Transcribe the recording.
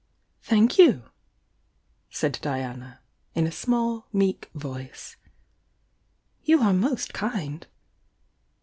"Thank you I" said Diana in a small, meek voice. "You are most kind!"